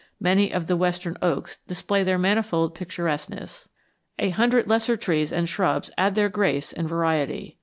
Many of the western oaks display their manifold picturesqueness. A hundred lesser trees and shrubs add their grace and variety.